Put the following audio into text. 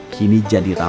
kini jadi rancang